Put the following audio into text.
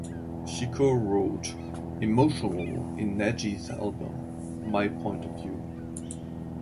She co-wrote "Emotional" in Najee's album "My Point of View".